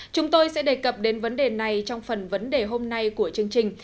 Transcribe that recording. chúng tôi sẽ đề cập đến vấn đề này trong phần vấn đề hôm nay của chương trình